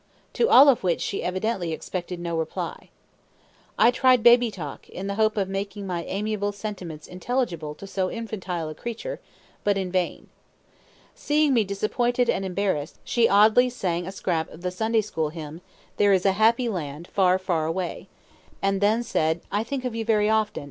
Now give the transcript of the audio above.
to all of which she evidently expected no reply. I tried baby talk, in the hope of making my amiable sentiments intelligible to so infantile a creature, but in vain. Seeing me disappointed and embarrassed, she oddly sang a scrap of the Sunday school hymn, "There is a Happy Land, far, far away"; and then said, "I think of you very often.